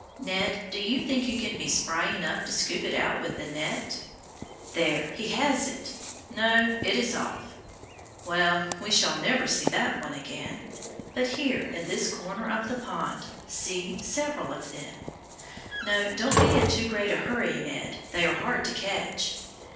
Ned, do you think you can be spry enough to scoop it out with the net? There, he has it, no, it is off. Well, we shall never see that one again; but here, in this corner of the pond, see, several of them. Now don't be in too great a hurry, Ned; they are hard to catch.